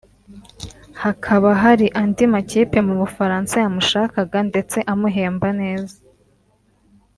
hakaba hari andi makipe mu Bufaransa yamushakaga ndetse amuhemba neza